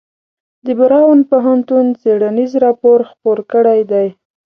د براون پوهنتون څیړنیز راپور خپور کړی دی.